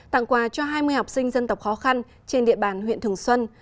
tặng quà cho hai mươi học sinh dân tộc khó khăn trên địa bàn huyện thường xuân